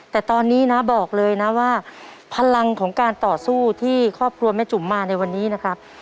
แต่ตอนนี้นะบอกเลยนะว่าพลังของการต่อสู้ที่ครอบครัวแม่จุ๋มมาในวันนี้นะครับ